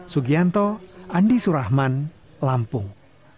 sugianto andi surahman lampung